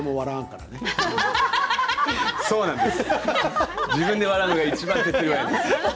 そうなんです。